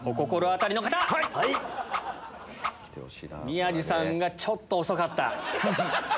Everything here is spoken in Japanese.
宮治さんがちょっと遅かった。